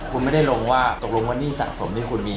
คุณไม่ได้ลงว่าตกลงว่าหนี้สะสมที่คุณมี